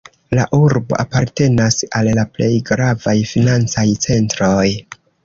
La urbo apartenas al la plej gravaj financaj centroj.